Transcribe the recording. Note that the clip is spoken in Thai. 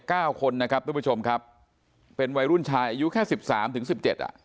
คนนะครับทุกผู้ชมครับเป็นวัยรุ่นชายอายุแค่สิบสามถึงสิบเจ็ดอ่ะ